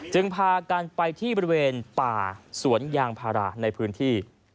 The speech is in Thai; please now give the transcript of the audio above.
พากันไปที่บริเวณป่าสวนยางพาราในพื้นที่